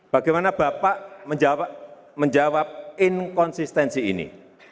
bagaimana bapak menjawab inkonsistensi ini